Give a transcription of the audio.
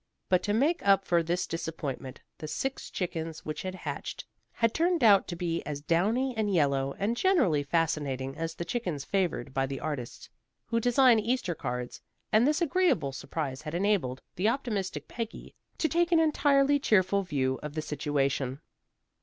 But to make up for this disappointment, the six chickens which had hatched had turned out to be as downy and yellow and generally fascinating as the chickens favored by the artists who design Easter cards, and this agreeable surprise had enabled the optimistic Peggy to take an entirely cheerful view of the situation.